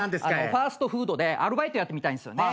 ファストフードでアルバイトやってみたいんすよね。